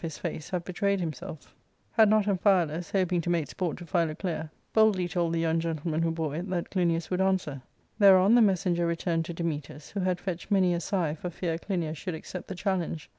ARCADIA,— Book IJL 307 had not Amphialus, hoping to make sport to Philoclea, boldly told the young gentleman who bore it that Clinias would answer. Thereon the messenger returned to Dametas, who had fetched many a sigh for fear Clinias should accept the challenge.